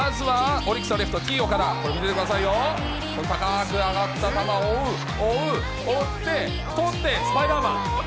この高く上がった球を追う、追う、追って、捕って、スパイダーマン。